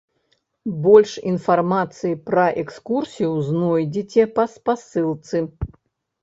Больш інфармацыі пра экскурсію знойдзеце па спасылцы.